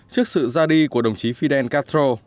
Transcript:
trước sự ra đi của đồng chí fidel castro